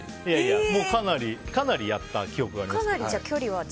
もう、かなりやった記憶があります。